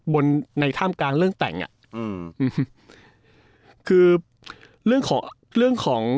ในท่ามกลางเรื่องแต่งอ่ะอืมคือเรื่องของเรื่องของ